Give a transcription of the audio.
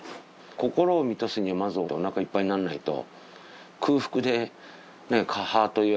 心を満たすにはまずお腹いっぱいになんないと。